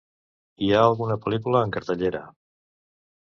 hi ha alguna pel·lícules en cartellera